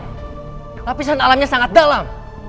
lapisan alamnya sangat dalam